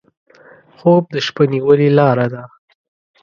خوب د شپه نیولې لاره ده